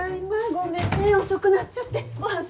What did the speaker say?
ごめんね、遅くなっちゃって。